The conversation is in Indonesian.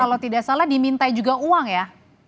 kalau tidak salah diminta juga uang ya